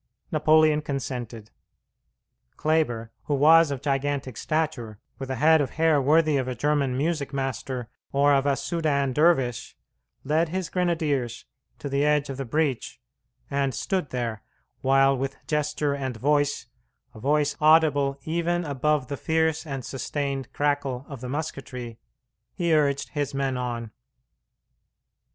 Napoleon consented. Kleber, who was of gigantic stature, with a head of hair worthy of a German music master or of a Soudan dervish, led his grenadiers to the edge of the breach and stood there, while with gesture and voice a voice audible even above the fierce and sustained crackle of the musketry he urged his men on.